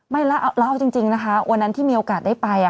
ไม่แล้วเล่าจริงนะคะวันนั้นที่มีโอกาสได้ไป